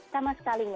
sama sekali gak